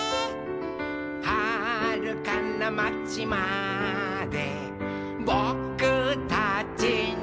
「はるかなまちまでぼくたちの」